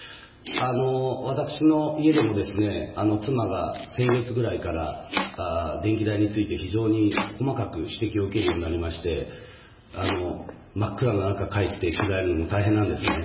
私の家でも、妻が先月ぐらいから電気代について非常に細かく指摘を受けるようになりまして、真っ暗な中、帰って着替えるのも大変なんですね。